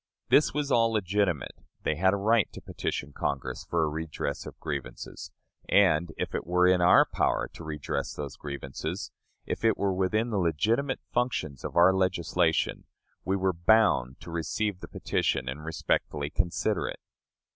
This was all legitimate. They had a right to petition Congress for a redress of grievances; and, if it were in our power to redress those grievances, if it were within the legitimate functions of our legislation, we were bound to receive the petition and respectfully consider it.